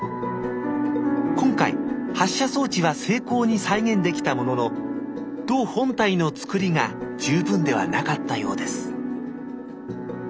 今回発射装置は精巧に再現できたものの弩本体のつくりが十分ではなかったようです